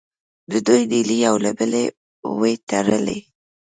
د دوی نیلې یو له بله وې تړلې.